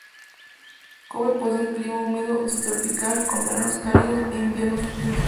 Kobe posee un clima húmedo subtropical con veranos cálidos e inviernos fríos.